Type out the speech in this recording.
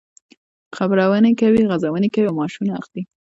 خپرونې کوي، غزونې کوي او معاشونه اخلي.